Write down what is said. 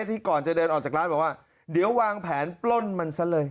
ที่ก่อนจะเดินออกจากร้านบอกว่าเดี๋ยววางแผนปล้นมันซะเลย